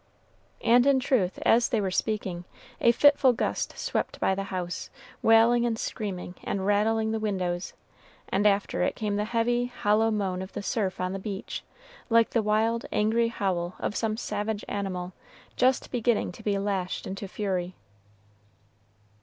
And in truth, as they were speaking, a fitful gust swept by the house, wailing and screaming and rattling the windows, and after it came the heavy, hollow moan of the surf on the beach, like the wild, angry howl of some savage animal just beginning to be lashed into fury.